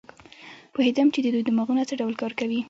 پوهېدم چې د دوی دماغونه څه ډول کار کوي.